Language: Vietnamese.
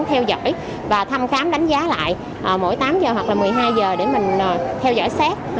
theo dõi và thăm khám đánh giá lại mỗi tám giờ hoặc là một mươi hai giờ để mình theo dõi sát